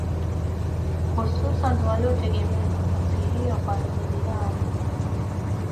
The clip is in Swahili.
Hususani waliotegemea nafasi hiyo kwa ajili yao wenyewe